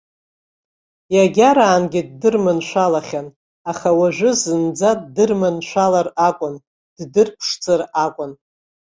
Иагараангьы ддырманшәалахьан, аха уажәы зынӡа ддырманшәалар акәын, ддырԥшӡар акәын.